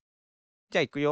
じゃいくよ。